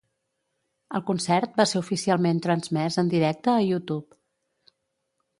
El concert va ser oficialment transmès en directe a YouTube.